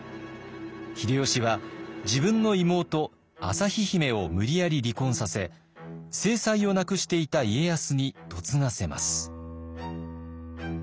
秀吉は自分の妹旭姫を無理やり離婚させ正妻を亡くしていた家康に嫁がせます。